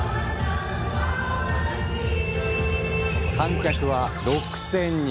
観客は６０００人。